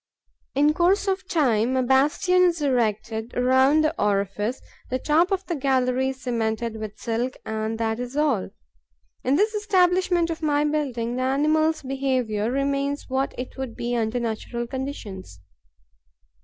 In course of time, a bastion is erected around the orifice; the top of the gallery is cemented with silk; and that is all. In this establishment of my building, the animal's behaviour remains what it would be under natural conditions.